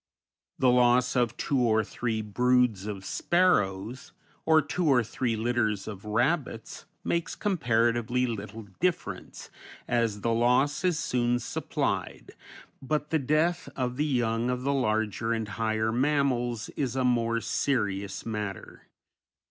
The loss of two or three broods of sparrows or two or three litters of rabbits makes comparatively little difference, as the loss is soon supplied, but the death of the young of the larger and higher mammals is a more serious matter.